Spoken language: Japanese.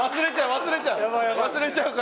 忘れちゃうから。